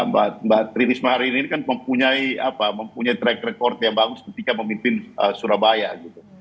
mbak tririsma hari ini kan mempunyai track record yang bagus ketika memimpin surabaya gitu